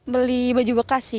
beli baju bekas sih